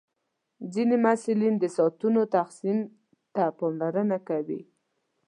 ځینې محصلین د ساعتونو تقسیم ته پاملرنه کوي.